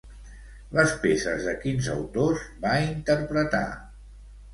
Les peces de quins autors va interpretar?